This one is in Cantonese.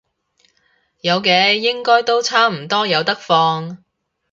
有嘅，應該都差唔多有得放